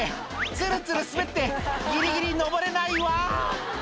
ツルツル滑ってギリギリ上れないワン！」